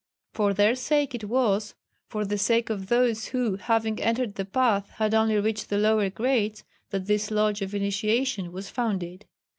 For their sake it was for the sake of those who, having entered the Path, had only reached the lower grades, that this Lodge of Initiation was founded.